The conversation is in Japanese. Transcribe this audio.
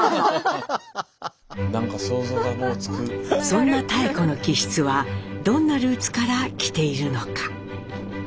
そんな妙子の気質はどんなルーツから来ているのか？